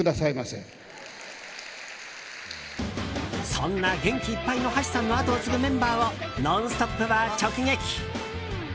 そんな元気いっぱいの橋さんの跡を継ぐメンバーを「ノンストップ！」は直撃。